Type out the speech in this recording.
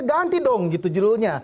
ganti dong gitu judulnya